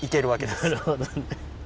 なるほどね。